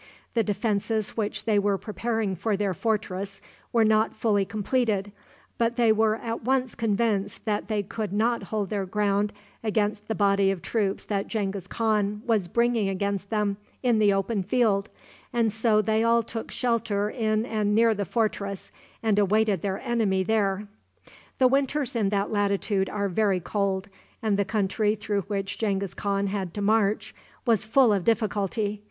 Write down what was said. The defenses which they were preparing for their fortress were not fully completed, but they were at once convinced that they could not hold their ground against the body of troops that Genghis Khan was bringing against them in the open field, and so they all took shelter in and near the fortress, and awaited their enemy there. The winters in that latitude are very cold, and the country through which Genghis Khan had to march was full of difficulty.